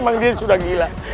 memang dia sudah gila